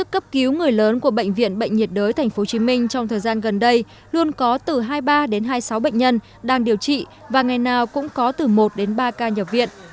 cấp cứu người lớn của bệnh viện bệnh nhiệt đới tp hcm trong thời gian gần đây luôn có từ hai mươi ba đến hai mươi sáu bệnh nhân đang điều trị và ngày nào cũng có từ một đến ba ca nhập viện